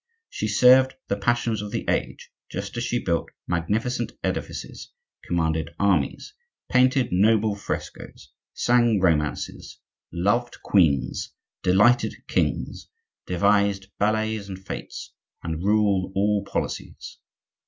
She served the passions of the age, just as she built magnificent edifices, commanded armies, painted noble frescos, sang romances, loved queens, delighted kings, devised ballets and fetes, and ruled all policies.